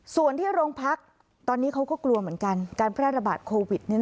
ส่วนที่โรงพักตอนนี้เขาก็กลัวเหมือนกันการแพร่ระบาดโควิด